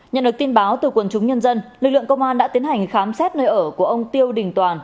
nhận được tin báo từ quần chúng nhân dân lực lượng công an đã tiến hành khám xét nơi ở của ông tiêu đình toàn